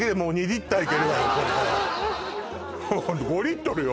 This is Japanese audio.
これ５リットルよ